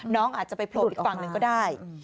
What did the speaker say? น้องอาจจะไปโผล่อีกฝั่งหนึ่งก็ได้